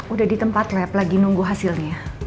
udah di tempat web lagi nunggu hasilnya